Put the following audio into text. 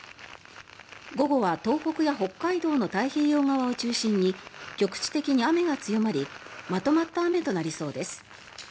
午後は東北や北海道の太平洋側を中心に局地的に雨が強まりまとまった雨になりそうです。